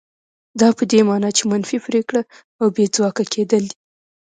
دا په دې مانا چې منفي پرېکړه او بې ځواکه کېدل دي.